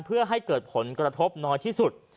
เพื่อให้เกิดผลกระทบน้อยที่สุด